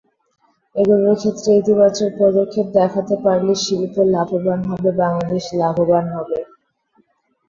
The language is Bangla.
এগুলোর ক্ষেত্রে ইতিবাচক পদক্ষেপ দেখাতে পারলে শিল্প লাভবান হবে, বাংলাদেশ লাভবান হবে।